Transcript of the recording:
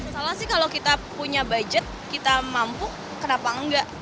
salah sih kalau kita punya budget kita mampu kenapa enggak